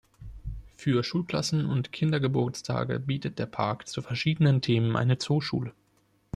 Für Schulklassen und Kindergeburtstage bietet der Park zu verschiedenen Themen eine Zooschule.